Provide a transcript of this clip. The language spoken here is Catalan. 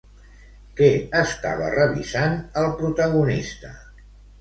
Què estava revisant el protagonista?